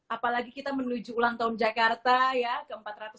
apalagi kita menuju ulang tahun jakarta ya ke empat ratus sembilan puluh